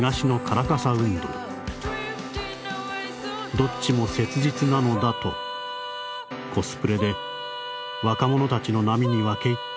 「どっちも切実なのだとコスプレで若者たちの波に分け入った